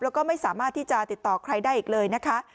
แล้วก็ไม่สามารถที่จะติดต่อใครได้อีกเลยนะคะ